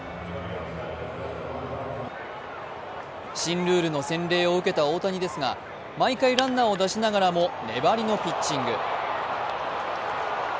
新ルールの洗礼を受けた大谷ですが、万回ランナーを出しながらも、粘りのピッチング。